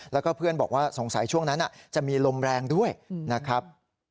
แล้วก็เพื่อนบอกว่าสงสัยช่วงนั้นจะมีลมแรงด้วยนะครับ